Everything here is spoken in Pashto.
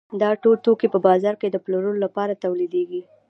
دا ټول توکي په بازار کې د پلورلو لپاره تولیدېږي